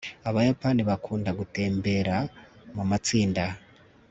abayapani bakunda gutembera mumatsinda